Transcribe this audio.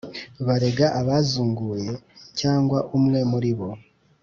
barega abazunguye cyangwa umwe muri bo